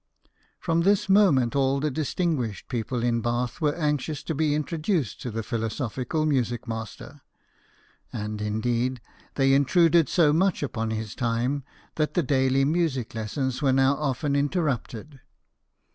From this moment all the distinguished people in Bath were anxious to be introduced to the philosophical music master ; and, indeed, they intruded so much upon his time that the daily music lessons were now often interrupted.